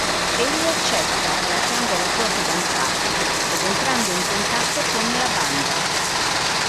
Egli accetta, lasciando la sua fidanzata, ed entrando in contatto con la banda.